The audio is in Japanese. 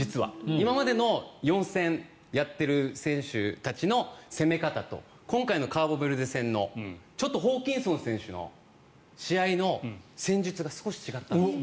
今までの４戦やっている選手たちの攻め方と今回のカーボベルデ戦のちょっとホーキンソン選手の試合の戦術が少し違ったんです。